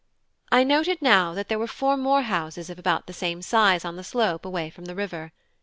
I noted now that there were four more houses of about the same size on the slope away from the river.